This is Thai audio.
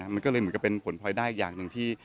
มันก็เลยเหมือนกับเป็นผลพลอยได้อย่างหนึ่งที่